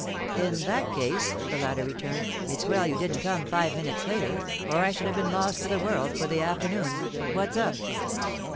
'In that case,' the latter returned, 'it's well you didn't come five minutes later, or I should have been lost to the world for the afternoon. What's up?